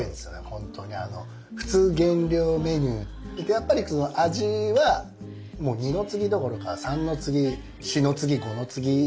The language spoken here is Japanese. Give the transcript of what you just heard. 本当にあの普通減量メニューってやっぱり味はもう二の次どころか三の次四の次五の次。